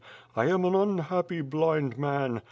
I am an unhappy, blind man.